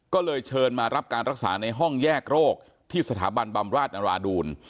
ก็เลยเชิญมารับการรักษาในห้องแยกโรคที่สถาบันบำราชนราดูล